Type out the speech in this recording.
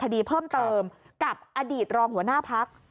คดีเพิ่มเติมกับอดีตรองหัวหน้าพัก